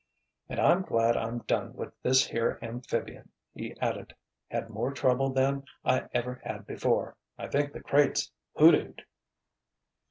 "And I'm glad I'm done with this here amphibian," he added. "Had more trouble than I ever had before. I think the crate's hoodooed."